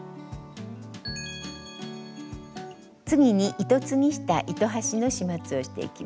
次に糸継ぎした糸端の始末をしていきます。